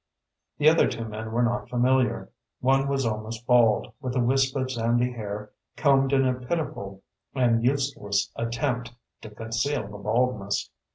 The other two men were not familiar. One was almost bald, with a wisp of sandy hair combed in a pitiful and useless attempt to conceal the baldness.